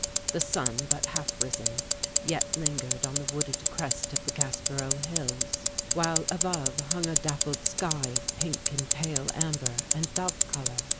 The sun, but half risen, yet lingered on the wooded crest of the Gaspereau hills; while above hung a dappled sky of pink and pale amber and dove color.